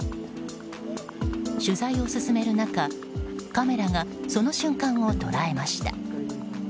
取材を進める中、カメラがその瞬間を捉えました。